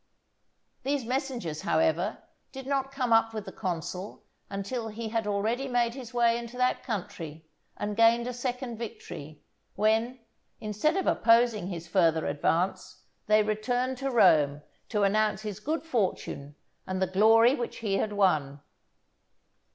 These messengers, however, did not come up with the consul until he had already made his way into that country and gained a second victory; when, instead of opposing his further advance, they returned to Rome to announce his good fortune and the glory which he had won.